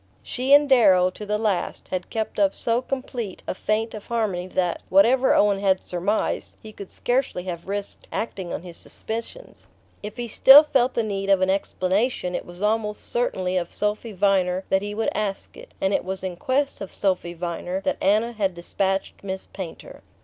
She and Darrow, to the last, had kept up so complete a feint of harmony that, whatever Owen had surmised, he could scarcely have risked acting on his suspicions. If he still felt the need of an explanation, it was almost certainly of Sophy Viner that he would ask it; and it was in quest of Sophy Viner that Anna had despatched Miss Painter.